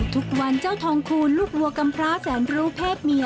ทุกวันเจ้าทองคูณลูกวัวกำพร้าแสนรู้เพศเมีย